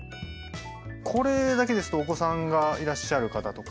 これだけですとお子さんがいらっしゃる方とか。